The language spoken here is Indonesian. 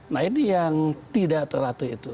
nah ini yang tidak terlatih itu